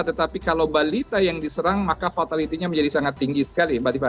tetapi kalau balita yang diserang maka fatality nya menjadi sangat tinggi sekali mbak rifana